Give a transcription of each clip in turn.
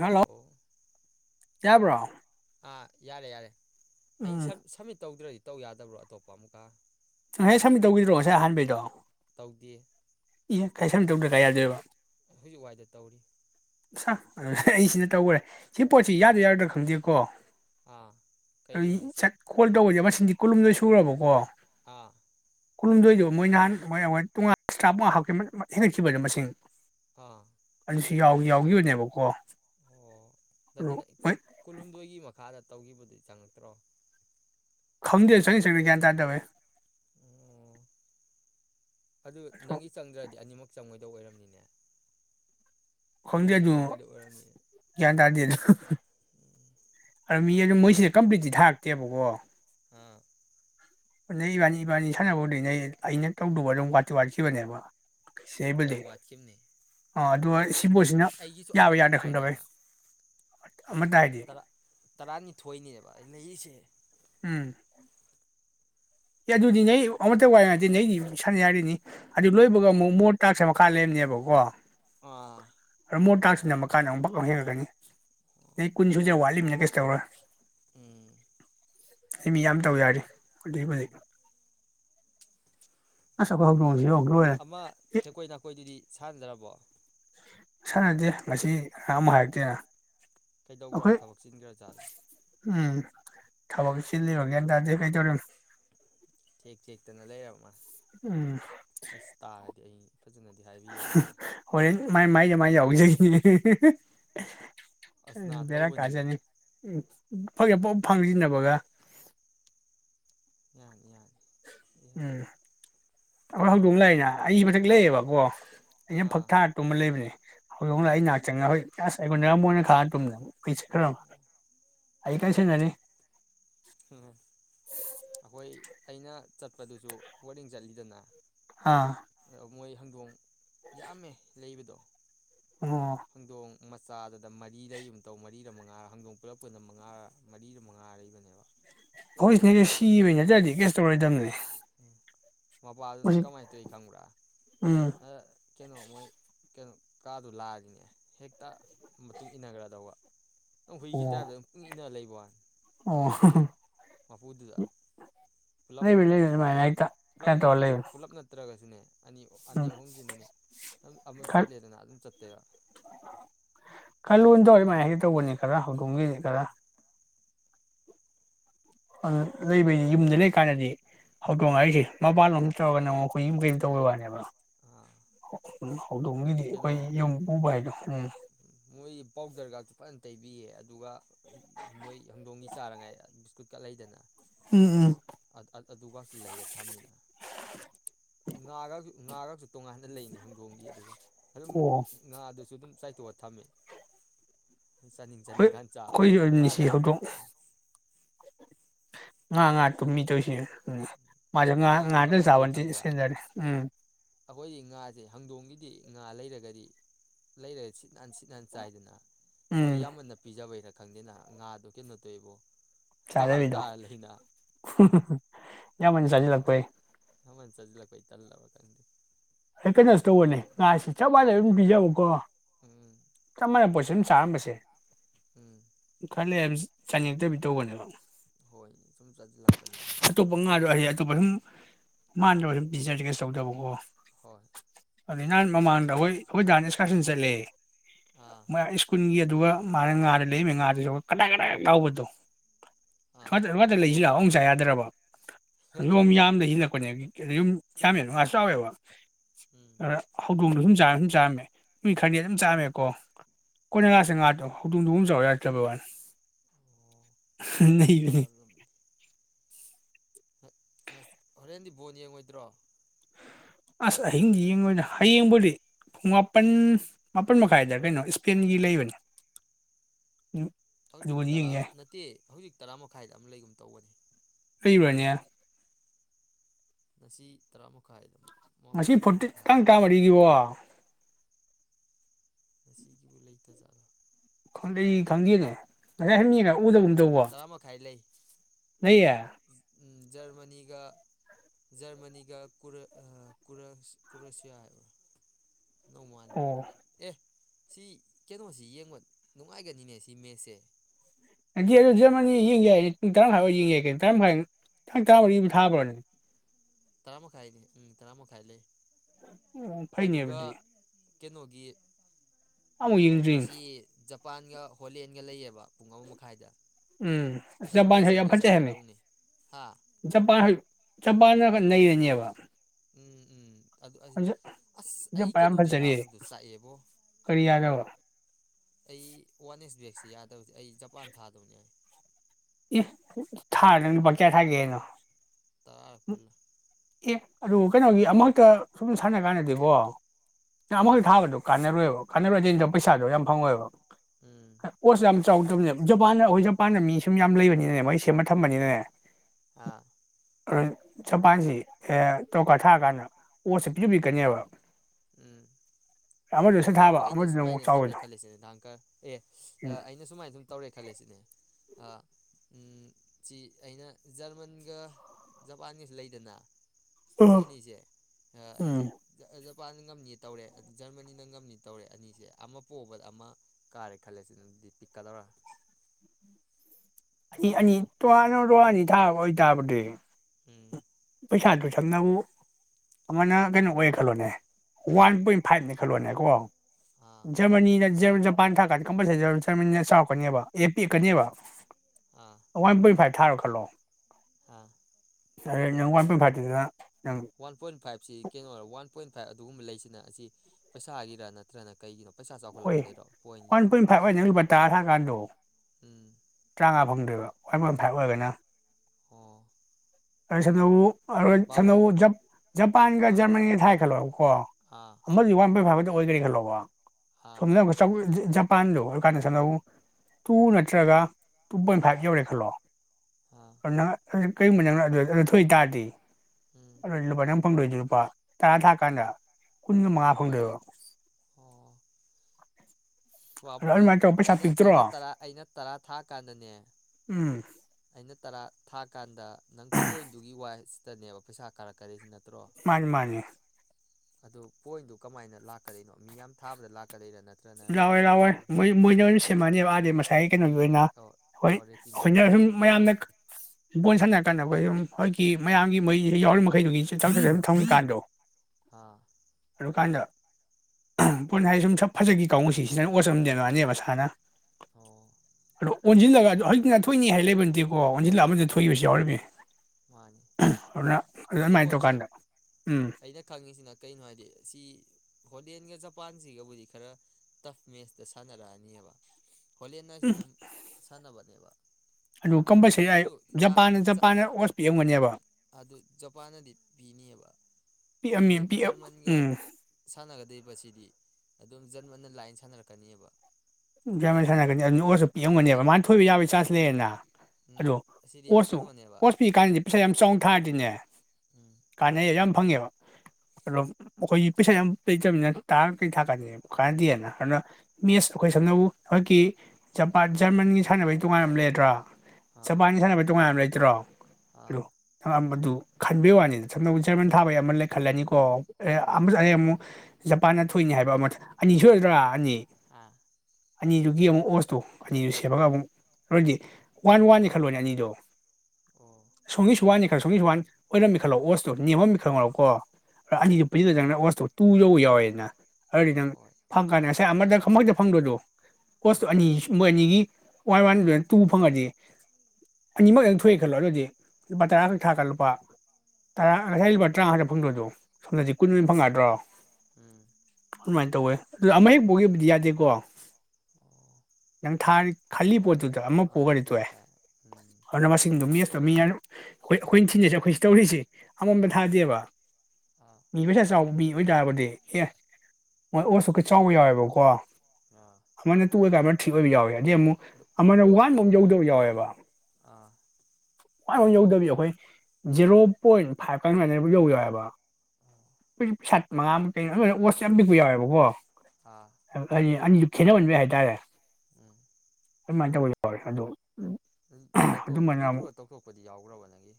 hello ꯑꯣ ꯌꯥꯕ꯭ꯔꯣ ꯑ ꯌꯥꯔꯦ ꯌꯥꯔꯦ ꯑꯩꯅ ꯎꯝ ꯁꯕꯃꯤꯠ ꯁꯕꯃꯤꯠ ꯇꯧꯗ꯭ꯔꯩ ꯇꯧ ꯌꯥꯗꯕ꯭ꯔꯣ ꯑꯇꯣꯞꯄ ꯑꯃꯨꯛꯀ ꯉꯁꯥꯏ ꯁꯕꯃꯤꯠ ꯇꯧꯈꯤꯗ꯭ꯔꯣ ꯉꯁꯥꯏ ꯑꯍꯥꯟꯕꯩꯗꯣ ꯇꯧꯗꯦ ꯏ ꯀꯥꯏꯁ ꯇꯧꯗ꯭ꯔꯒ ꯀꯥꯏ ꯌꯥꯗꯣꯏꯕ ꯍꯨꯖꯤꯛ ꯋꯥꯏꯗ ꯇꯧꯔꯤ ꯁꯥ ꯑ ꯍ ꯑꯩ ꯁꯤꯗ ꯇꯧꯒꯔꯦ ꯁꯤ ꯄꯣꯠꯁꯤ ꯌꯥꯗ ꯎꯝ ꯌꯥꯔꯗ꯭ꯔꯥ ꯈꯪꯗꯦꯀꯣ ꯑꯥ ꯑꯗꯨ ꯀꯩꯒꯤꯅꯣ ꯍꯥꯏꯁꯦ ꯁꯛ ꯀꯣꯜ ꯇꯧꯕꯁꯦ ꯑꯃꯁꯪꯡꯗꯤ ꯀꯨꯜꯍꯨꯝꯗꯣꯏ ꯁꯨꯔꯕꯀꯣ ꯑꯥ ꯀꯨꯂꯨꯝꯗꯣꯏꯗꯨꯣ ꯃꯣꯏ ꯅꯍꯥꯟ ꯃꯋꯥꯣꯏꯋꯥ [unintelligible] ꯇꯣꯉꯥꯟ ꯆꯝꯉꯥ ꯍꯥꯎꯈꯤꯃꯦ ꯍꯤꯕꯈꯤꯕꯗꯣ ꯃꯁꯤꯡ ꯑꯥ ꯑꯗꯨꯁꯨ ꯌꯥꯎ ꯌꯥꯎꯈꯤꯕꯅꯦꯕꯀꯣ ꯑꯣ ꯑꯗꯨ ꯅꯠꯇꯦ ꯃꯣꯏ ꯀꯨꯟꯍꯨꯝꯗꯣꯏꯒꯤ ꯈꯥꯗ ꯇꯧꯒꯤꯕꯗꯤ ꯆꯪꯉꯛꯇ꯭ꯔꯣ ꯈꯪꯗꯦ ꯁꯪꯅꯤ ꯁꯪꯅꯤ ꯒ꯭ꯌꯥꯟ ꯇꯥꯗꯕꯩ ꯑꯣ ꯑꯗꯨ ꯅꯪꯒꯤ ꯆꯪꯗ꯭ꯔꯗꯤ ꯑꯅꯤꯃꯛ ꯆꯪꯉꯣꯏꯗꯧ ꯑꯣꯏꯔꯝꯅꯤꯅꯦ ꯈꯪꯗꯦ ꯑꯩꯉꯣꯟꯗ ꯑꯗꯨ ꯆꯪꯉꯣꯏꯗꯧ ꯑꯣꯏꯔꯝꯅꯤꯅꯦ ꯒꯌ꯭ꯥꯟ ꯇꯥꯗꯦꯗ ꯑꯔꯃꯤꯒꯩꯗꯨ ꯃꯣꯏꯁꯤ ꯀꯝꯄ꯭ꯂꯤꯠꯇꯤ ꯊꯥꯛꯔꯇꯦꯕꯀꯣ ꯑꯥ ꯅ ꯏꯕꯥꯅꯤ ꯏꯕꯥꯅꯤ ꯁꯥꯟꯅꯕꯣꯅꯦ ꯑꯩꯅ ꯇꯧꯗꯧꯕ ꯑꯗꯨꯝ ꯋꯥꯠꯇꯤ ꯋꯥꯠꯈꯤꯕꯅꯦꯕ ꯁꯤꯕꯨꯗꯤ ꯍꯣꯏ ꯋꯥꯠꯀꯤꯈꯤꯝꯅꯦ ꯑꯥ ꯑꯗꯨꯒ ꯑꯗꯨ ꯁꯤꯕꯣꯠꯁꯤꯅ ꯑꯩꯒꯤꯁꯨ ꯌꯥꯕ ꯑꯃꯇꯪ ꯌꯥꯗꯦ ꯈꯪꯗꯕꯩ ꯉꯥꯏꯔꯦꯕ ꯑꯃꯠꯇ ꯍꯥꯏꯗꯤ ꯇꯔꯥ ꯇꯔꯥꯅꯤꯊꯣꯏꯅꯦꯕ ꯑꯩ ꯂꯩꯔꯤꯁꯦ ꯎꯝ ꯑꯦ ꯑꯗꯨꯗꯤ ꯅꯩ ꯑꯃꯠꯇ ꯋꯥꯏ ꯉꯗꯤ ꯅꯗꯤ ꯁꯥꯟꯅ ꯍꯥꯏꯔꯤꯅꯤ ꯑꯗꯨ ꯂꯣꯏꯕꯒ ꯑꯣ ꯑꯃꯨꯛ ꯃꯣꯃꯣ ꯇꯥꯛꯁ ꯃꯈꯥ ꯂꯩꯔꯥꯝꯅꯦꯕꯀꯣ ꯑꯥ ꯃꯣꯔꯠ ꯇꯥꯛꯁ ꯅꯝꯃꯀꯥꯟꯗ ꯑꯃꯨꯛ ꯑꯃ ꯕꯛ ꯂꯥꯎꯅ ꯍꯦꯜꯒꯟꯀꯅꯤ ꯅ ꯀꯨꯟ ꯁꯨꯖꯦ ꯋꯥꯠꯂꯤꯃꯤꯅ ꯀꯩꯁꯨ ꯇꯧꯔꯣꯏ ꯎꯝ ꯁꯤ ꯃꯤ ꯍꯣꯏ ꯌꯥꯝ ꯇꯧ ꯌꯥꯔꯦ ꯌꯦꯡ ꯍꯧꯖꯤꯛ ꯎꯝ ꯍꯧꯖꯤꯛ ꯑꯩꯈꯣꯏ ꯍꯧꯗꯣꯡꯁꯤ ꯌꯦꯡꯉꯨ ꯂꯣꯏꯔꯦ ꯑꯃ ꯑꯦ ꯊꯦꯛꯀꯣꯏ ꯅꯥꯀꯣꯏꯗꯨꯗꯤ ꯁꯥꯟꯗ꯭ꯔꯕꯣ ꯁꯥꯟꯅꯗꯦ ꯉꯁꯤ ꯑꯃ ꯍꯥꯏꯔꯛꯇꯦ ꯀꯩꯗꯧꯒ꯭ꯔꯅꯣ ꯊꯕꯛ ꯆꯤꯟꯒ꯭ꯔꯥꯖꯥꯠꯂ ꯎꯝ ꯊꯥꯕꯛ ꯆꯤꯜꯂꯤꯔꯣ ꯅꯦꯠ ꯌꯗꯦ ꯀꯩꯗꯧꯔꯤꯝꯅꯣ ꯊꯦꯛ ꯊꯦꯛꯇꯅ ꯂꯩꯔꯝꯃ ꯎꯝ ꯑꯁ ꯇꯥꯔꯗꯤ ꯑꯩ ꯐꯖꯅꯗꯤ ꯍꯥꯏꯕꯤꯔꯔꯣꯏ ꯅꯪ ꯍꯣꯔꯦꯟ ꯃꯥꯏ ꯃꯥꯏꯁꯦ ꯃꯥꯏ ꯌꯥꯎꯖꯒꯤꯅꯤ ꯍꯦ ꯍꯦ ꯍꯦ ꯎꯝ ꯑꯁꯅꯥ ꯕꯦꯔꯥ ꯇꯧꯕꯅꯤꯅꯦ ꯀꯥꯖꯅꯤ ꯎꯝ ꯐꯒꯦ ꯄꯥꯎ ꯐꯥꯡꯖꯤꯟꯅꯕꯒ ꯌꯥꯅꯤ ꯌꯥꯅꯤ ꯎꯝ ꯑꯦ ꯑꯩꯈꯣꯏ ꯍꯧꯗꯣꯡꯅ ꯂꯥꯛꯏꯅ ꯑꯩ ꯃꯊꯛ ꯂꯩꯌꯦꯕꯀꯣ ꯑꯩꯅ ꯐꯛ ꯑꯥ ꯊꯥꯔ ꯇꯨꯝꯕ ꯂꯩꯕꯅꯦ ꯍꯧꯗꯣꯡꯅ ꯑꯩ ꯎꯝ ꯅꯥꯛ ꯆꯪꯉꯒ ꯑꯁ ꯑꯩꯉꯣꯟꯗꯒ ꯃꯣꯟ ꯈꯥꯡꯉꯒ ꯇꯨꯝꯃ ꯍꯥꯏ ꯆꯤꯛꯈꯔꯃꯦ ꯑꯩ ꯀꯦꯁꯤꯟꯅꯔꯤ ꯎꯝ ꯑꯈꯣꯏ ꯑꯩꯅ ꯆꯠꯄꯗꯨꯁꯨ ꯋꯗꯤꯡ ꯆꯠꯂꯤꯗꯅ ꯑꯥ ꯃꯣꯏ ꯍꯪ ꯗꯣꯡ ꯌꯥꯝꯃꯦ ꯂꯩꯕꯗꯣ ꯑꯣ ꯍꯪꯗꯣꯡ ꯃꯆꯥꯗꯨꯗ ꯃꯔꯤ ꯂꯩꯕ ꯇꯧ ꯃꯔꯤꯔ ꯃꯉꯥ ꯍꯪꯗꯣꯡ ꯄꯨꯜꯂꯞꯄꯨꯟꯅ ꯃꯉꯥꯔ ꯃꯔꯤꯔ ꯃꯉꯥ ꯂꯩꯕꯅꯦꯕ ꯍꯣꯏꯅꯦ ꯁꯤꯕꯩ ꯅꯠꯇ꯭ꯔꯗꯤ ꯀꯩꯁꯨ ꯇꯧꯔꯣꯏꯗꯕꯅꯦ ꯃꯄꯥꯗꯨꯅ ꯍꯧꯖꯤꯛ ꯀꯃꯥꯏꯟ ꯇꯧꯏ ꯈꯪꯕ꯭ꯔꯥ ꯎꯝ ꯑꯥ ꯀꯩꯅꯣ ꯃꯣꯏ ꯀꯩꯅꯣ ꯀꯥꯗꯨ ꯂꯥꯛꯑꯒꯅꯦ ꯍꯦꯛꯇ ꯃꯇꯨꯡ ꯏꯟꯅꯒ꯭ꯔꯗꯧꯕ ꯑꯣ ꯍꯨꯏꯒꯤ ꯇꯥꯥꯢꯞꯇ ꯀꯨꯏꯅ ꯂꯩ ꯋꯥꯟ ꯑꯣ ꯍꯥ ꯍꯥ ꯃꯄꯨꯗꯨꯒ ꯂꯩꯕꯅꯦ ꯂꯩꯕꯅꯦ ꯗꯨꯃꯥꯢ ꯄꯨꯂꯞ ꯅꯠꯇꯦ ꯄꯨꯂꯞ ꯅꯠꯇ꯭ꯔꯒ ꯑꯗꯨꯨꯅꯦ ꯑꯅꯤ ꯑꯅꯤ ꯎꯝ ꯑꯍꯨꯝꯁꯤꯅꯅꯦ ꯑꯃ ꯈꯔ ꯆꯠꯂꯦꯗꯅ ꯑꯗꯨꯝ ꯆꯠꯇꯩꯕ ꯈꯂꯨꯟ ꯇꯧꯔꯗꯤ ꯃꯥꯥꯏ ꯍꯦꯛꯇ ꯇꯧꯕꯅꯤ ꯈꯔ ꯍꯧꯗꯣꯡꯒꯤꯗꯤ ꯈꯔ ꯑꯗꯨ ꯂꯩꯕꯩꯗꯤ ꯌꯨꯝꯗ ꯂꯩꯀꯥꯟꯗꯗꯤ ꯍꯧꯗꯣꯡ ꯍꯥꯏꯔꯤꯖꯦ ꯃꯄꯥꯟꯂꯣꯝ ꯇꯧꯔꯒ ꯑꯃꯨꯛ ꯑꯩꯈꯣꯏ ꯌꯨꯝ ꯀꯩꯝ ꯇꯧ ꯋꯥꯅꯦꯕ ꯍꯧꯗꯣꯡꯒꯤꯗꯤ ꯀꯩꯅꯣ ꯈꯣꯏ ꯌꯨꯝ ꯄꯨꯕ ꯍꯥꯏꯗꯣ ꯎꯝ ꯃꯣꯏ ꯄꯥꯎꯗꯔꯒꯁꯨ ꯐꯖꯅ ꯇꯩꯕꯤꯌꯦ ꯑꯗꯨꯒ ꯃꯣꯏ ꯍꯪꯗꯣꯡꯒꯤ ꯆꯥꯔꯉꯥꯏ ꯕꯤꯁꯀꯨꯠꯀ ꯂꯩꯗꯅ ꯎꯝ ꯎꯝ ꯑꯗ ꯑꯗꯨꯒꯁꯨ ꯂꯩꯔ ꯊꯝꯃꯤꯅ ꯉꯥꯔꯁꯨ ꯉꯥꯒꯁꯨ ꯇꯣꯡꯉꯥꯟꯅ ꯂꯩꯅ ꯍꯧꯗꯣꯡꯒꯤ ꯑꯗꯨꯒ ꯑꯗꯨꯝ ꯑꯣ ꯉꯥꯗꯨꯁꯨ ꯑꯗꯨꯝ ꯆꯥꯏꯊꯣꯛꯑ ꯊꯝꯃꯦ ꯆꯥꯅꯤꯡ ꯍꯣꯏ ꯆꯥꯅꯤꯡꯒꯥꯟ ꯆꯥꯕ ꯑꯩꯈꯣꯏꯒꯤ ꯉꯥ ꯑꯣꯏꯅꯤꯁꯤ ꯗꯨ ꯍꯧꯗꯣꯡ ꯉꯥ ꯉꯥ ꯇꯨꯃꯤ ꯇꯧꯢꯁꯦ ꯉꯥꯗꯨ ꯀꯃꯥꯏꯅ ꯇꯧꯏ ꯈꯪꯕ꯭ꯔꯥ ꯎꯝ ꯑꯩꯈꯣꯏꯒꯤ ꯉꯥꯁꯦ ꯍꯪꯗꯣꯡꯒꯤ ꯗꯤ ꯉꯥ ꯂꯩꯔꯒꯗꯤ ꯂꯩꯔꯒ ꯁꯤ ꯅꯟ ꯁꯤꯠ ꯅꯥꯟ ꯁꯤꯠ ꯅꯥꯟ ꯆꯥꯏꯗꯅ ꯎꯝ ꯃꯣꯏ ꯌꯥꯝꯃꯟꯅ ꯄꯤꯖꯕꯩꯔ ꯈꯪꯗꯦꯅ ꯉꯥꯗꯨꯣ ꯀꯩꯝꯅ ꯇꯧꯏꯕꯣ ꯆꯥꯗꯕꯤꯗꯣ ꯍꯨ ꯍꯨ ꯍꯨ ꯌꯥꯝꯃꯟꯅ ꯆꯥꯁꯤꯜꯂꯛꯄꯩ ꯌꯥꯃꯟ ꯆꯥꯁꯤꯜꯂꯛꯄꯩ ꯇꯜꯂꯕ ꯈꯪꯗꯦ ꯑꯩ ꯀꯩꯅꯣꯁꯨ ꯇꯧꯕꯅꯦ ꯉꯥꯁꯤ ꯆꯞ ꯃꯥꯟꯅ ꯑꯗꯨꯝ ꯄꯤꯖꯕꯀꯣ ꯎꯝ ꯀꯃꯥꯏ ꯄꯣꯏꯁꯟ ꯆꯥꯥꯔꯝꯃꯤꯁꯦ ꯎꯝ ꯈꯂꯦ [unintelligible] ꯆꯅꯤꯡꯇꯕꯤ ꯇꯧꯕꯅꯦꯕ ꯍꯣꯏ ꯁꯨꯝ ꯆꯥꯁꯤꯜꯂꯛꯄꯅꯤꯅ ꯑꯇꯣꯞꯄ ꯉꯥꯗꯣ ꯑꯩ ꯑꯇꯣꯞꯄ ꯁꯨꯝ ꯃꯥꯟꯗꯕ ꯁꯨꯝꯄꯤꯖ ꯖꯔꯒꯦ ꯇꯧꯗꯕꯀꯣ ꯍꯣꯏ [unintelligible] ꯅꯍꯥꯟ ꯃꯃꯥꯡꯗ ꯑꯩꯈꯣꯏ ꯑꯩꯈꯣꯏ ꯗꯥꯅ ꯑꯦꯛꯁꯀꯥꯔꯁꯟ ꯆꯠꯂꯦ ꯑꯥ ꯃ ꯁ꯭ꯀꯨꯜꯒꯤ ꯑꯗꯨꯒ ꯃꯥ ꯉꯥꯗ ꯂꯩꯃꯤ ꯉꯥꯗꯨꯁꯨ ꯀꯗꯥꯛ ꯀꯗꯥꯛ ꯂꯥꯎꯕꯗꯣ ꯑꯥ [unintelligible] ꯖꯌꯥꯗ꯭ꯔꯕ ꯔꯣꯝ ꯌꯥꯝꯅ [unintelligible] ꯈꯣꯏ ꯅꯦꯒꯤ ꯌꯨꯝ ꯌꯥꯃꯦ [unintelligible] ꯎꯝ ꯑꯦ ꯍꯧꯗꯣꯡꯗꯣꯖꯨꯞ ꯆꯥꯝ ꯁꯨꯝ ꯆꯥꯝꯃꯦ ꯃꯤ ꯈꯔꯅꯤ ꯑꯗꯨꯝ ꯆꯥꯝꯃꯦꯀꯣ ꯑꯩꯈꯣꯏꯅ ꯉꯥꯁꯦ ꯉꯥꯇꯣ ꯍꯧꯗꯣꯡꯗꯣ ꯗꯨꯝ ꯆꯥꯎꯔ ꯌꯥꯀ꯭ꯔꯕꯋꯥꯅꯤ ꯍ-ꯍ ꯅꯩꯕꯅꯤ ꯉ- ꯉꯁ ꯍꯣꯔꯦꯟꯗꯤ ꯕꯣꯟ ꯌꯦꯡꯉꯣꯏꯗ꯭ꯔꯣ ꯑꯁ ꯑꯍꯤꯡꯒꯤ ꯌꯦꯡꯉꯣꯏꯗ ꯍꯌꯦꯡꯕꯨꯗꯤ ꯉꯞ ꯄꯟ ꯃꯥꯄꯜ ꯃꯈꯥꯏꯗ ꯀꯩꯅꯣ ꯏꯁꯄꯦꯟꯒꯤ ꯂꯩꯕꯅꯤ ꯍꯧꯖꯤꯛ ꯇꯔꯥ ꯅꯠꯇꯦ ꯍꯧꯖꯤꯛ ꯇꯔꯥ ꯃꯈꯥꯏꯗ ꯑꯃ ꯂꯩꯒꯨꯝ ꯇꯧꯕꯅꯤ ꯑꯩ ꯕꯅꯦ ꯉꯁꯤ ꯇꯔꯥ ꯃꯈꯥꯏꯗ ꯉꯁꯤ ꯃꯥꯄꯜ ꯐꯨꯔꯇꯤ ꯃꯈꯥꯏ ꯇꯥꯡ ꯇꯥꯃꯔꯤꯒꯤꯕꯣ ꯉꯁꯤꯒꯤꯕꯨ ꯂꯩꯇꯖꯥꯠꯂꯣ ꯈꯪꯗꯦ ꯈꯪꯗꯤꯅꯦ ꯉꯁꯥꯏ ꯍꯥꯏꯅꯤꯔ [unintelligible] ꯇꯔꯥꯃꯈꯥꯏ ꯂꯩ ꯅꯌꯦ ꯖꯔꯃꯅꯤꯒ ꯖꯔꯃꯅꯤꯒ ꯀꯨꯔ ꯑ ꯀꯨꯔ ꯀꯨꯔꯁꯤꯌꯥ ꯍꯥꯏꯕ꯭ꯔꯥ ꯅꯣꯡꯃꯥꯜꯂꯦ ꯑꯣ ꯑꯦ ꯁꯤ ꯀꯩꯅꯣꯁꯤ ꯌꯦꯡꯕ ꯅꯨꯡꯉꯥꯏꯒꯅꯤꯅꯦ ꯁꯤ ꯃꯦꯁꯁꯦ [unintelligible] ꯑꯗꯨ ꯖꯔꯃꯅꯤ ꯌꯦꯡ ꯌꯥꯏ ꯄꯨꯡ ꯇꯔꯥ ꯃꯈꯥꯏꯐꯥꯎ ꯌꯦꯡꯒꯦ ꯌꯥꯏ ꯀꯩꯅꯣ ꯇꯔꯥꯃꯔꯤꯕꯨ ꯊꯥꯕ꯭ꯔꯅꯤ ꯇꯔꯥꯃꯈꯥꯏꯅꯦ ꯎꯝ ꯇꯔꯥꯃ ꯈꯥꯏ ꯂꯩ ꯑꯣ ꯐꯩꯅꯦꯕꯗꯤ ꯑꯗꯨꯒ ꯀꯩꯅꯣꯒꯤ ꯉꯁꯤ ꯖꯞ ꯖꯄꯥꯟꯒ ꯍꯣꯂꯦꯟꯒ ꯂꯩꯌꯦꯕ ꯄꯨꯡ ꯑꯍꯨꯝ ꯃꯈꯥꯏꯗ ꯎꯝ ꯑꯁꯤ ꯖꯄꯥꯟ ꯃꯦꯠꯁꯁꯤ ꯌꯥꯝ ꯃꯩ ꯐꯠꯇꯦ ꯍꯥꯏꯃꯤ ꯆꯠꯀꯗꯧꯅꯤ ꯍꯥ ꯖꯄꯥꯟ ꯆꯄꯥꯟꯅꯕ ꯂꯩꯔꯤꯅꯦꯕ ꯎꯝ ꯎꯝ ꯑꯗꯨ ꯑꯁ ꯑꯩ ꯖꯄꯥꯟ ꯌꯥꯝ ꯀꯩꯅꯣꯗ ꯐꯖꯔꯤ ꯌꯥꯗꯕꯗꯣ ꯆꯥꯛꯑꯦꯕꯣ ꯀꯔꯤ ꯌꯥꯗꯕ ꯑꯩ ꯋꯥꯟ ꯑꯦꯁ ꯕꯦꯠꯁꯦ ꯌꯥꯗꯕꯗꯨꯢ ꯑꯩ ꯖꯄꯥꯟ ꯊꯥꯗꯧꯅꯦ ꯑꯦ ꯊꯥ ꯅꯪ ꯂꯨꯄꯥ ꯀꯌꯥ ꯊꯥꯒꯦ ꯍꯥꯏꯅꯣ ꯇꯔꯥ ꯍꯨꯝ ꯀꯨꯜꯂ ꯑꯦ ꯑꯗꯨ ꯀꯩꯅꯣꯒꯤ ꯑꯃꯈꯛꯇ ꯁꯨꯝ ꯁꯥꯟꯅ ꯀꯥꯟꯗꯗꯤꯀꯣ ꯅꯪ ꯑꯥ ꯑꯃꯈꯛꯇ ꯊꯥꯕꯗꯨ ꯀꯥꯟꯅꯔꯣꯏꯕ ꯀꯥꯟꯅꯔꯣꯢꯗꯣ ꯄꯩꯁꯥꯗꯣ ꯌꯥꯝ ꯐꯪꯉꯣꯏꯕ ꯎꯝ ꯑꯣꯠꯁ ꯌꯥꯝ ꯆꯥꯎꯗꯕꯅꯦꯕ ꯖꯄꯥꯟꯅ ꯑꯣꯏ ꯖꯄꯥꯟꯅ ꯃꯤ ꯁꯨꯝ ꯌꯥꯝ ꯂꯩꯕꯅꯤꯅꯅꯦ ꯃꯥꯏꯁꯦ ꯀꯦꯃ ꯎꯝ ꯊꯝꯕꯅꯤꯅꯦ ꯑꯥ ꯖꯄꯥꯟꯁꯤ ꯇꯧꯀꯥꯔ ꯊꯥꯔ [unintelligible] ꯕꯥꯥꯕꯨ ꯊꯥꯕ ꯑꯩꯅ ꯑꯃꯗꯨꯅ ꯑꯃꯨꯛ ꯁꯨꯃꯥꯏꯅ ꯇꯧꯔꯦ ꯆꯥꯎꯕꯗꯣ ꯈꯜꯂꯁꯤꯅꯦ ꯙꯥꯡꯀꯔ ꯑꯦ ꯑꯩꯅ ꯁꯨꯃꯥꯏꯅ ꯁꯨꯝ ꯇꯧꯔꯦ ꯈꯜꯂꯁꯤꯅꯦ ꯑ ꯎꯝ ꯁꯤ ꯑꯩꯅ ꯖꯔꯃꯟꯒ ꯖꯄꯥꯟꯒꯁꯨ ꯂꯩꯗꯅ ꯑꯁꯤ ꯎꯝ ꯑꯅꯤꯁꯦ ꯎꯝ [unintelligible] ꯖꯄꯥꯟ ꯉꯝꯅꯤ ꯇꯧꯔꯦ ꯖꯔꯃꯅꯤ ꯅꯪ ꯉꯝꯅꯤ ꯇꯧꯔꯦ ꯑꯅꯤꯁꯦ ꯑꯃ ꯄꯣꯕꯗ ꯑꯃ ꯀꯥꯔꯦ ꯈꯜꯂꯁꯤ ꯅꯪꯗꯤ ꯄꯤꯛꯀꯗꯧꯔ ꯑꯅꯤ ꯑꯅꯤ ꯇꯣꯉꯥꯟꯅ ꯗ꯭ꯔꯣꯑꯅꯤ ꯇꯥ ꯑꯣꯏꯇꯥꯥꯔꯕꯨꯗꯤ ꯎꯝ ꯄꯩꯁꯥꯗꯨ ꯁꯝꯅꯕꯨ ꯑꯃꯅ ꯀꯩꯅꯣ ꯑꯣꯏ ꯈꯜꯂꯣꯅꯦ ꯎꯝ ꯋꯥꯟ ꯄꯣꯏꯟ ꯐꯥꯏꯚ ꯅꯤ ꯈꯜꯂꯣꯅꯦ ꯀꯣ ꯑꯥ ꯖꯔꯃꯅꯤꯅ ꯖꯔꯃꯟ ꯖꯄꯥꯟ ꯊꯥ ꯀꯥꯟꯗ ꯀꯝꯄꯜꯁꯔꯤ ꯖꯔꯃꯟ ꯆꯥꯎꯔꯛꯀꯅꯦꯕ ꯑꯦ ꯄꯤꯛꯀꯅꯦꯕ ꯋꯥꯟ ꯄꯣꯏꯟ ꯐꯥꯏꯚ ꯊꯔꯦ ꯈꯂꯣ ꯑꯣ ꯅꯪ ꯋꯥꯟ ꯄꯣꯏꯟ ꯐꯥꯏꯐꯇꯨꯅ ꯋꯥꯟ ꯄꯣꯏꯟ ꯐꯥꯏꯚ ꯁꯤ ꯀꯩꯅꯣꯔ ꯋꯥꯟ ꯄꯣꯏꯟ ꯐꯥꯏꯕ ꯑꯗꯨꯒꯨꯝꯕ ꯂꯩꯁꯤꯅ ꯑꯁꯤ ꯄꯩꯁꯥꯒꯤꯔꯥ ꯅꯠꯇ꯭ꯔꯒꯅ ꯀꯩꯒꯤꯅꯣ ꯄꯩꯁꯥ ꯍꯣꯏ ꯆꯥꯎꯈꯠꯂꯛꯀꯗꯣꯏꯔꯣ ꯄꯣꯏꯟꯒꯤ ꯋꯥꯟ ꯄꯣꯏꯟ ꯐꯥꯏꯚ ꯑꯣꯏꯗꯤ ꯅꯪ ꯂꯨꯄꯥ ꯇꯥꯔ ꯊꯔꯀꯥꯟꯗꯨ ꯎꯝ ꯇ꯭ꯔꯥꯉꯥ ꯐꯪꯗꯣꯏꯕ ꯋꯥꯟ ꯄꯣꯏꯟ ꯐꯥꯏꯐ ꯑꯣꯏꯔꯒꯅ ꯑꯣ [unintelligible] ꯕꯥꯕꯨ ꯑꯩ ꯁꯝꯅꯕꯨ ꯖꯄꯥꯟꯒ ꯑꯥ ꯖꯔꯃꯅꯤꯒ ꯊꯥꯏ ꯈꯜꯂꯣꯕꯀꯣ ꯑꯥ ꯑꯃꯗꯤ ꯋꯥꯟ ꯄꯣꯏꯟ ꯐꯥꯏꯚ ꯑꯗꯨꯝ ꯑꯣꯏꯒ꯭ꯔꯦ ꯈꯜꯂꯣꯕ ꯑꯥ ꯁꯣꯝꯅꯒ ꯆ [unintelligible] ꯃꯄꯥꯟꯗꯣ ꯍꯧꯂꯀꯥꯟꯗ ꯁꯥꯟꯅꯧ ꯇꯨ ꯅꯠꯇ꯭ꯔꯒ ꯇꯨ ꯄꯣꯏꯟ ꯎꯝ ꯐꯥꯏꯚ ꯌꯧꯔꯦ ꯈꯜꯂꯣ ꯑꯥ ꯑꯗꯨꯅ ꯀꯔꯤꯒꯨꯝꯕ ꯅꯪꯅ ꯑꯗꯨ ꯊꯣꯛꯏꯇꯥꯥꯔꯗꯤ ꯎꯝ ꯑꯗꯨ ꯂꯨꯄꯥ ꯅꯪ ꯐꯪꯗꯣꯏꯁꯤ ꯂꯨꯄꯥ ꯇꯔꯥ ꯊꯥ ꯀꯥꯟꯗ ꯀꯨꯟꯒ ꯃꯉꯥ ꯐꯪꯗꯣꯏꯕ ꯑꯣ ꯕꯥꯕꯨ ꯑꯗꯣ ꯑꯩ ꯑꯗꯨꯃꯥꯏꯅ ꯇꯧꯔ ꯄꯩꯁꯥ ꯑꯩꯅ ꯄꯤꯛꯇ꯭ꯔꯣ ꯑꯩꯅ ꯇꯔꯥ ꯑꯩꯅ ꯇꯔꯥ ꯊꯥ ꯀꯥꯟꯗꯅꯦ ꯎꯝ ꯑꯩꯅ ꯇꯔꯥ ꯊꯥꯀꯥꯟꯗ ꯅꯪ ꯀꯣꯏꯗꯨꯒꯤ ꯋꯥꯏꯁꯗꯅꯦꯕ ꯄꯩꯁꯥ ꯀꯥꯔꯛꯀꯗꯣꯏꯁꯤꯅ ꯃꯥꯅꯤ ꯃꯥꯅꯤ ꯑꯗꯨ ꯄꯣꯏꯟꯗꯨ ꯀꯃꯥꯏꯅ ꯂꯥꯛꯀꯗꯣꯏꯅꯣ ꯃꯤ ꯌꯥꯝ ꯊꯥꯕꯗ ꯂꯥꯛꯀꯗꯣꯏꯔꯥ ꯅꯠꯇ ꯂꯥꯎꯏ ꯉꯁꯥꯏꯒꯤ ꯀꯩꯅꯣꯒꯤ ꯑꯣꯏꯅ ꯑꯣ ꯑꯩꯈꯣꯏ ꯑꯣ ꯔꯦꯇꯤꯡ ꯑꯩꯈꯣꯏꯅ ꯑꯗꯨꯏꯗꯣ ꯁꯨꯝ ꯃꯌꯥꯝꯅ ꯕꯣꯜ ꯁꯥꯟꯅꯔ ꯀꯥꯟꯅꯕ ꯌꯨꯝ ꯍꯧꯖꯤꯛꯀꯤ ꯃꯌꯥꯝꯒꯤ ꯃꯣꯏꯁꯤ ꯌꯥꯎꯔꯤ ꯃꯈꯩꯗꯨꯒꯤꯁꯨ ꯆꯪ ꯆꯠ ꯁꯝ ꯊꯝꯃꯤꯀꯥꯟꯗꯣ ꯑꯥ ꯀꯥꯟꯗ ꯄꯨꯅ ꯍꯥꯏ ꯁꯨꯝ ꯆ ꯐꯖꯒꯤ ꯀꯥꯡꯉꯨꯁꯤ ꯁꯤꯗꯅ ꯑꯣꯠꯆꯝꯗꯦꯅꯅꯦꯕ ꯁꯥꯅ ꯑꯣ ꯑꯣꯟꯁꯤꯜꯂꯒ ꯑꯗꯨ ꯍꯧꯖꯤꯛ ꯅꯥꯊꯣꯛꯅꯤ ꯍꯥꯏ ꯂꯩꯕ ꯅꯇꯦꯀꯣ ꯖꯤꯜꯂ ꯑꯃꯗ ꯊꯣꯏꯈꯤꯕꯁꯨ ꯌꯥꯎꯔꯤꯃꯤ ꯃꯥꯅꯦ ꯑꯗꯨꯅ ꯑꯗꯨ ꯑꯁꯤ ꯑꯗꯨꯃꯥꯏꯅ ꯄꯣꯠꯁꯦ ꯇꯧꯀꯥꯟꯗ ꯎꯝ ꯑꯩꯅ ꯈꯪꯉꯤꯁꯤꯅ ꯀꯩꯅꯣ ꯍꯥꯏꯗꯤ ꯑꯁꯤ ꯍꯣꯗꯦ ꯆꯦꯟꯒ ꯖꯄꯥꯟꯁꯤꯒꯕꯨꯗꯤ ꯈꯔ ꯇꯐ ꯃꯦꯁꯇ ꯁꯥꯟꯅꯔꯛꯑꯅꯤꯕ ꯍꯣꯂꯦꯟ ꯍꯥꯏꯁꯨ ꯎꯝ ꯑꯗꯨꯝ ꯁꯥꯟꯅꯕꯅꯦꯕ ꯑꯗꯨ ꯀꯝꯕꯩꯁ ꯑꯗꯨꯏꯁꯨ ꯖꯄꯥꯟꯅꯦ ꯖꯄꯥꯟꯅꯦ ꯄꯤꯑꯝꯒꯅꯦꯕ ꯑꯗꯨ ꯖꯄꯥꯟꯅꯗꯤ ꯄꯤꯅꯤꯑꯕ ꯄꯤꯛꯑꯝꯃꯤ ꯑꯗꯨ ꯄꯤꯛꯑ ꯖꯔꯃꯟꯒ ꯎꯝ ꯁꯥꯟꯅꯒꯗꯣꯏ ꯁꯤꯗꯤ ꯑꯗꯨꯝ ꯖꯔꯃꯟꯅ ꯂꯥꯏꯟ ꯁꯥꯟꯅꯔꯛꯀꯅꯤꯕ ꯖꯔꯃꯟ ꯁꯥꯅꯔꯛꯀꯅꯤ ꯇꯣꯛꯑꯁꯨ ꯀꯩ ꯄꯤꯑꯝꯒꯅꯦꯕ ꯃꯥꯅ ꯊꯣꯏꯕ ꯌꯥꯕꯒꯤ ꯆꯥꯟꯖ ꯂꯩꯌꯦꯗꯅ ꯑꯗꯣ ꯑꯁꯤꯗꯤ ꯀꯣꯁꯁꯨ ꯀꯩꯅꯣꯅꯦꯕ ꯀꯣꯁ ꯄꯤ ꯀꯥꯟꯗꯗꯤ ꯄꯩꯁꯥ ꯌꯥꯝ ꯆꯥꯎ ꯊꯥꯔꯗꯤꯅꯦ ꯎꯝ ꯀꯥꯟꯅꯩ ꯌꯥꯝ ꯐꯪꯉꯦꯕ ꯑꯗꯣ ꯑꯩꯈꯣꯏꯁꯤ ꯄꯩꯁꯥ ꯌꯥꯝ ꯂꯩꯇꯕꯅꯤꯅ ꯇꯥꯔꯒ ꯀꯩ ꯊꯥꯛꯀꯗ ꯀꯥꯟꯅꯗꯦꯅ ꯑꯗꯨꯅ ꯃꯦꯁ ꯑꯩꯈꯣꯏ ꯁꯝꯅꯧ ꯍꯈꯛꯀꯤ ꯖꯄꯥꯟ ꯖꯔꯃꯟꯒꯤ ꯁꯥꯟꯅꯕꯩ ꯇꯣꯉꯥꯟꯅ ꯑꯃ ꯂꯩꯔꯗ꯭ꯔꯥ ꯑꯥ ꯖꯄꯥꯅꯒꯤ ꯁꯥꯟꯅꯕꯒꯤ ꯇꯣꯉꯥꯟꯅ ꯑꯥ ꯂꯩ ꯈꯟꯕꯒꯤ ꯋꯥꯅꯤꯗ ꯁꯣꯝꯗ ꯖꯔꯃꯟ ꯊꯥꯕꯩ ꯑꯃ ꯂꯩꯈꯜꯂꯅꯤꯀꯣ ꯎꯝ ꯑꯦ ꯑꯃ ꯑꯃꯨꯛ ꯖꯄꯥꯟꯅ ꯊꯣꯏꯅꯤ ꯍꯥꯏꯕ ꯑꯃ ꯑꯅꯤ ꯁꯨꯗ꯭ꯔꯥ ꯑꯅꯤ ꯑꯥ ꯑꯅꯤꯗꯨꯒꯤ ꯑꯃꯨꯛ ꯑꯣꯁꯇꯣ ꯑꯅꯤꯗꯨ ꯁꯦꯝꯃꯒ ꯑꯃꯨꯛ ꯑꯗꯨꯗꯤ ꯋꯥꯟ ꯋꯥꯟꯅꯤ ꯈꯜꯂꯣꯅꯦ ꯑꯅꯤꯗꯣ ꯑꯣ [unintelligible] ꯁꯒꯤꯁꯨꯟ ꯑꯣꯏꯅꯔꯝꯃꯤꯈꯠꯂꯛꯑꯣ ꯑꯣꯁꯇꯣ ꯅꯦꯝꯃꯝ ꯃꯤꯈꯠꯂꯝꯂꯛꯑꯣ ꯀꯣ ꯑꯅꯤ ꯑꯥ ꯄꯤꯅꯗꯅ ꯑꯣꯜ ꯁ꯭ꯇꯣ ꯇꯨꯌꯨ ꯌꯥꯎꯋꯦꯅ ꯈꯔꯒꯤ ꯅꯪ ꯍꯣꯏ ꯐꯪꯀꯅꯤ ꯑꯃꯗ ꯊꯝꯃꯣꯏꯗ ꯐꯪꯗꯣꯏꯗꯣ ꯎꯝ ꯀꯣꯁꯇꯣ ꯑꯅꯤ ꯁꯨꯝꯕꯣꯏꯅꯤ ꯋꯥ ꯋꯥꯟ ꯇꯨ ꯐꯪꯉꯗꯤ ꯑꯅꯤꯃꯛꯛꯇꯪ ꯊꯣꯛꯑꯦ ꯈꯜꯂꯣ ꯑꯗꯨꯗꯤ ꯂꯨꯄꯥ ꯇꯔꯥꯈꯛ ꯊꯥꯛꯀ ꯂꯨꯄꯥ ꯇꯔꯥ ꯑꯔꯩꯕ ꯇꯔꯥꯃꯉꯥ ꯐꯪꯗꯩꯗꯣ ꯁꯣꯝꯗꯗꯤ ꯀꯨꯟ ꯍꯦꯟꯅ ꯍꯣꯏ ꯐꯪꯉꯗ꯭ꯔꯣ ꯎꯝ ꯑꯃꯥꯏ ꯇꯧꯋꯦ ꯑꯗꯨ ꯑꯃ ꯍꯦꯛꯄꯨꯈꯤꯕꯗꯤ ꯌꯥꯗꯦ ꯀꯣ ꯑꯣ ꯅꯪ ꯊꯥ ꯈꯜꯂꯤ ꯍꯣꯏ ꯄꯣꯠꯇꯨꯗ ꯑꯥ ꯑꯃ ꯑꯥ ꯄꯨꯈ꯭ꯔꯗꯤ ꯒ꯭ꯌꯥꯟ ꯇꯣꯛꯑꯦ ꯇꯥꯏ ꯎꯝ ꯑꯗꯨꯅ ꯃꯁꯤꯡꯗꯣ ꯃꯤꯇ ꯃꯤ ꯑꯩꯈꯣꯏ ꯑꯩꯈꯣꯏꯅ ꯊꯤꯔꯤꯁꯦ ꯑꯩꯈꯣꯏ ꯁ꯭ꯇꯣꯔꯤꯁꯦ ꯑꯃꯃꯝ ꯊꯥꯗꯦꯕ ꯑꯥ ꯃꯤ ꯄꯩꯁꯥ ꯆꯥꯎ ꯄꯤ ꯅꯣꯏ ꯗꯕꯨꯗꯤ ꯑꯦ ꯃꯣꯏ ꯑꯣꯁꯨꯀꯩ ꯆꯥꯎꯕ ꯌꯥꯎꯋꯦꯕꯀꯣ ꯑꯥ [unintelligible] ꯑꯗꯨ ꯑꯃꯅ ꯑꯣꯁꯇꯣ ꯋꯥꯟꯕꯧ ꯌꯧꯗꯕ ꯌꯥꯎꯋꯦꯕ ꯑꯥ ꯈꯋꯥꯏ ꯌꯧꯗꯕꯤ ꯑꯩꯈꯣꯏ ꯖꯦꯔꯣ ꯄꯣꯏꯟ ꯐꯥꯏꯚ ꯀ ꯑꯗꯨꯃꯥꯏꯅ ꯑꯃꯛ ꯌꯧ ꯌꯥꯎꯋꯦꯕ ꯄꯩꯁꯠ ꯃꯉꯥꯃꯨꯛ ꯀꯩꯅ ꯑꯗꯨꯅ ꯑꯣꯠꯁ ꯌꯥꯝ ꯄꯤꯛꯄ ꯌꯥꯎꯋꯦꯕꯀꯣ ꯑꯥ ꯑꯅꯤꯁꯨ ꯈꯦꯠꯅꯍꯟꯕ ꯍꯥꯏꯇꯥꯔꯦ ꯎꯝ ꯑꯗꯨꯃꯥꯏꯅ ꯇꯧꯕ ꯌꯥꯎꯔꯦ ꯑꯗꯣ ꯎꯝ ꯂꯧꯊꯣ ꯑꯗꯨꯝꯕꯅ ꯋꯤꯗ꯭ꯔꯣ ꯑꯃꯨꯛ ꯇꯧꯊꯣꯛꯄꯗꯤ ꯌꯥꯎꯈ꯭ꯔꯕ ꯅꯪꯒꯤ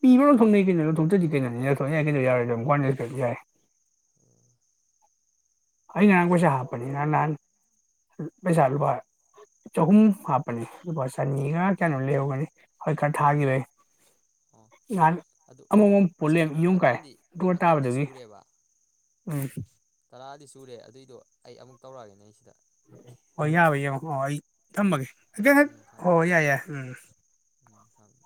ꯄꯤꯕ ꯂꯧꯊꯣꯛꯅꯩ ꯀꯩꯅꯣ ꯂꯧꯊꯣꯛꯇ꯭ꯔꯗꯤ ꯀꯩꯅꯣ ꯂꯧꯊꯣꯛ ꯌꯥꯏ ꯀꯩꯅꯣ ꯀꯩꯗꯧ ꯌꯥꯔꯣꯏꯗꯧꯅꯣ ꯀꯣꯏꯅꯗ꯭ꯔꯁꯨ ꯌꯥꯏ ꯑꯩꯅ ꯉꯔꯥꯡ ꯄꯩꯁꯥ ꯍꯥꯞꯄꯅꯤ ꯅꯍꯥꯟ ꯄꯩꯁꯥ ꯂꯨꯄꯥ ꯆꯍꯨꯝ ꯍꯥꯞꯄꯅꯤ ꯂꯨꯄꯥ ꯆꯅꯤꯒ ꯀꯩꯅꯣ ꯂꯩꯍꯧꯒꯅꯤ ꯍꯣꯏ ꯈꯔ ꯊꯥꯒꯤꯚꯩ ꯑꯣ ꯅꯍꯥꯟ ꯑꯗꯨ ꯑꯃꯨꯛ ꯃꯨꯛ ꯄꯨꯂꯦ ꯁꯤ ꯌꯨꯝ ꯀꯥꯏ ꯃꯇꯝꯗꯤ ꯑꯗꯨ ꯃꯇꯝꯗꯤ ꯇꯥꯕꯗꯒꯤ ꯁꯨꯔꯦꯕ ꯎꯝ ꯆꯨꯔꯦ ꯑꯗꯨꯏꯗꯣ ꯑꯩ ꯑꯃꯨꯛ ꯇꯧꯔꯛꯑꯒꯦ ꯑꯩ ꯁꯤꯗ ꯍꯣ ꯌꯥꯕ꯭ꯔ ꯌꯦꯡꯉꯣ ꯀꯣ ꯑꯩ ꯎꯝ ꯊꯝꯃꯒꯦ ꯑꯩꯍꯥꯛ ꯎꯝ ꯍꯣ ꯊꯝꯃꯦ ꯍꯣꯏ ꯌꯥꯏ ꯌꯥꯏ ꯎꯝ ꯎꯝ ꯊꯝꯃꯦ